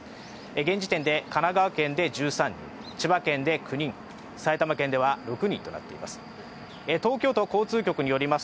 現時点で神奈川県で１３人千葉県で９人、埼玉県では６人となっています。